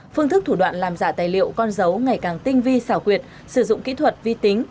phương thức thủ đoạn làm giả tài liệu con dấu ngày càng tinh vi xảo quyệt sử dụng kỹ thuật vi tính